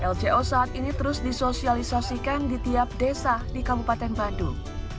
lco saat ini terus disosialisasikan di tiap desa di kabupaten bandung